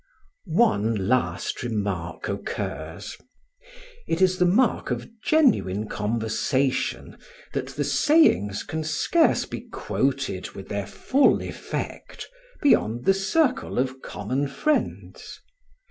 One last remark occurs: It is the mark of genuine conversation that the sayings can scarce be quoted with their full effect beyond the circle of common friends.